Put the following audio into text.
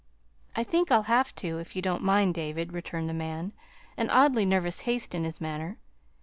"I think I'll have to, if you don't mind, David," returned the man, an oddly nervous haste in his manner.